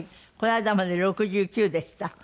この間まで６９でした。